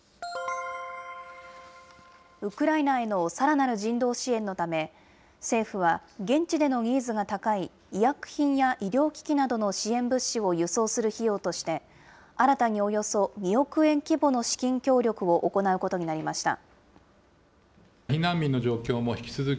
ウクライナへのさらなる人道支援のため、政府は、現地でのニーズが高い医薬品や医療機器などの支援物資を輸送する費用として、新たにおよそ２億円規模の資金協力を行うことになりました。